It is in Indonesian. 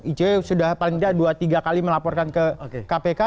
icw sudah paling tidak dua tiga kali melaporkan ke kpk